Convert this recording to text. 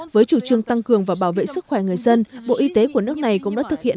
với chủ trương tăng cường và bảo vệ sức khỏe người dân bộ y tế của nước này cũng đã thực hiện